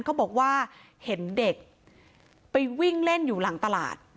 เขาบอกว่าเห็นเด็กไปวิ่งเล่นอยู่หลังตลาด